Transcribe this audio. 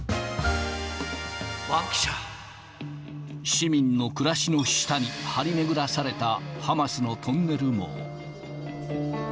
．．．市民の暮らしの下に張り巡らされたハマスのトンネル網。